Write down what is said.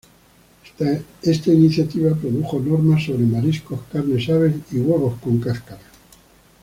Esta iniciativa produjo normas sobre mariscos, carnes, aves y huevos con cáscara.